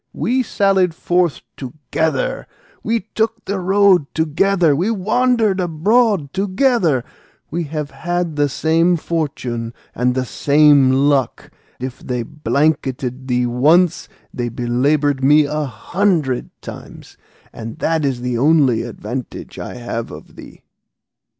We sallied forth together, we took the road together, we wandered abroad together; we have had the same fortune and the same luck; if they blanketed thee once, they belaboured me a hundred times, and that is the only advantage I have of thee."